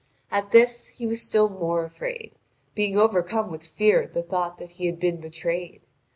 At this he was still more afraid, being overcome with fear at the thought that he had been betrayed.